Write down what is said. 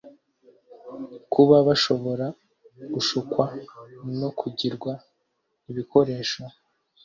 kuba bashobora gushukwa no kugirwa ibikoresho